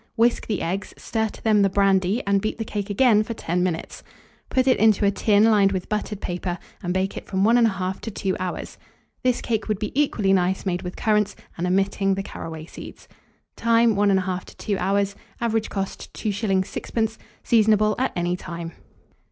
Whisk the eggs, stir to them the brandy, and beat the cake again for 10 minutes. Put it into a tin lined with buttered paper, and bake it from 1 1/2 to 2 hours. This cake would be equally nice made with currants, and omitting the caraway seeds. Time. 1 1/2 to 2 hours. Average cost, 2s. 6d. Seasonable at any time.